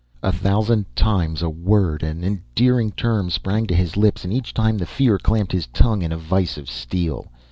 A thousand times, a word, an endearing term, sprang to his lips, and each time the fear clamped his tongue in a vise of steel.